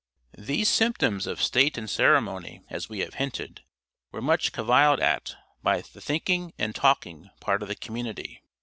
These symptoms of state and ceremony, as we have hinted, were much caviled at by the thinking, and talking, part of the community.